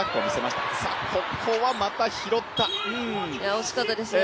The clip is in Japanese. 惜しかったですね